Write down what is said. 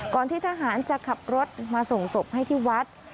ที่ทหารจะขับรถมาส่งศพให้ที่วัด